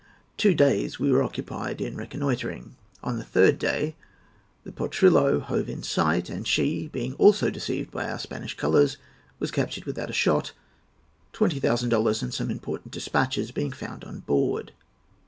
Two days were occupied in reconnoitring. On the third day the Potrillo hove in sight, and she, being also deceived by our Spanish colours, was captured without a shot, twenty thousand dollars and some important despatches being found on board."